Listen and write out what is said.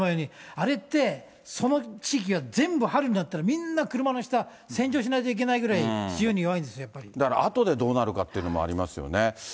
あれって、その地域が全部春になったら、みんな車の下、洗浄しないといけないぐらい塩に弱いんですよ、だからあとでどうなるかっていうのもありますよね。